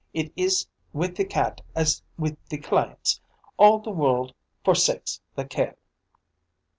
It is with the cat as with the clients. All the world forsakes the Caille."